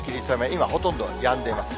今、ほとんどやんでいます。